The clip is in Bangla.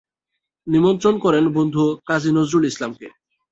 নিমন্ত্রণ করেন বন্ধু কাজী নজরুল ইসলামকে।